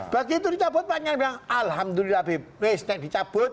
begitu dicabut pak nyar bilang alhamdulillah bpst dicabut